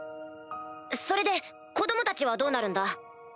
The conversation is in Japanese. それで子供たちはどうなるんだ？